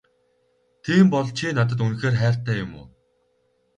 Тийм бол чи надад үнэхээр хайртай юм уу?